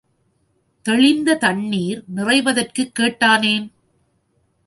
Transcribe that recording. தெளிந்த தண்ணீர் நிறைவதற்குக் கேட்டானேன்.